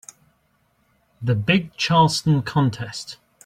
The big Charleston contest.